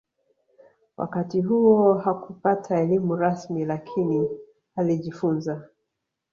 Wakati huo hakupata elimu rasmi lakini alijifunza